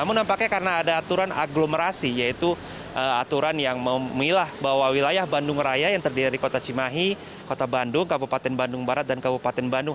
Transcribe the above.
namun nampaknya karena ada aturan aglomerasi yaitu aturan yang memilah bahwa wilayah bandung raya yang terdiri dari kota cimahi kota bandung kabupaten bandung barat dan kabupaten bandung